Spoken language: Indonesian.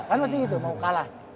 kan pasti gitu mau kalah